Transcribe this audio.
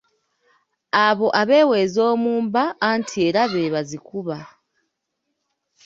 Abo abeewa ez’omu mba anti era be bazikuba.